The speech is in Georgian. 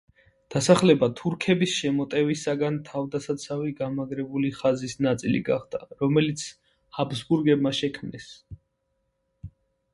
დასახლება თურქების შემოტევისაგან თავდასაცავი გამაგრებული ხაზის ნაწილი გახდა, რომელიც ჰაბსბურგებმა შექმნეს.